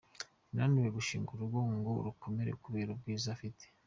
yananiwe gushinga urugo ngo rukomere kubera ubwiza afite